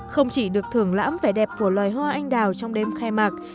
không chỉ được thưởng lãm vẻ đẹp của loài hoa anh đào trong đêm khai mạc